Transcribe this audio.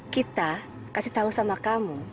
kita kasih tahu sama kamu